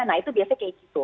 nah itu biasanya kayak gitu